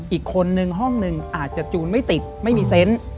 อีกคนนึงห้องหนึ่งอาจจะจูนไม่ติดไม่มีเซนต์